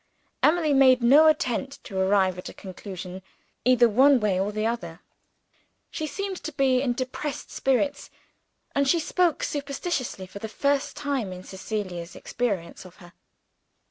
Emily made no attempt to arrive at a conclusion, either one way or the other. She seemed to be in depressed spirits; and she spoke superstitiously, for the first time in Cecilia's experience of her.